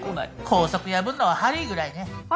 校則破るのはハリーぐらいね。